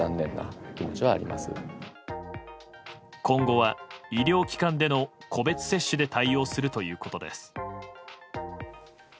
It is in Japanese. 今後は医療機関での個別接種で対応するということです。